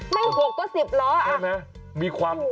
แม่ง๖ก็๑๐ล้ออ่ะโอ้โฮใช่ไหม